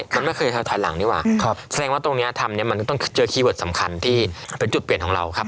แสดงว่าตรงนี้ทำเนี่ยมันก็เจอคีย์เวิร์ดสำคัญที่เป็นจุดเปลี่ยนของเราเลยครับ